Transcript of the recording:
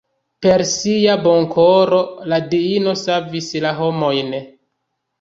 Per sia bonkoro la diino savis la homojn.